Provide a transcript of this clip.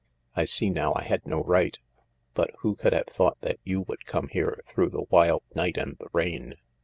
I see now I had no right, but who could have thought that you would come here through the wild night and the rain